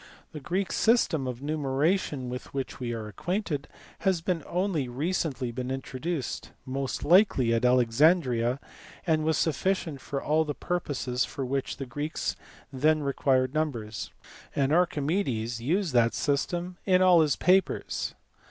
The Greek system of numeration with which we are acquainted had been only recently introduced, most likely at Alexandria, and was sufficient for all the purposes for which the Greeks then required numbers ; and Archimedes used that system in all his papers.